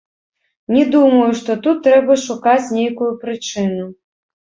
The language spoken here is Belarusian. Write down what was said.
Не думаю, што тут трэба шукаць нейкую прычыну.